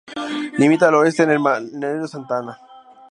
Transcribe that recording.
Limita al oeste con el balneario Santa Ana.